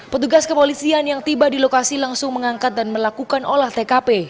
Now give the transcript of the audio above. petugas kepolisian yang tiba di lokasi langsung mengangkat dan melakukan olah tkp